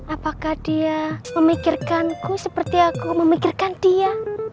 apakah dia memikirkanku seperti aku memikirkan dia